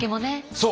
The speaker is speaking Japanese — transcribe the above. そう！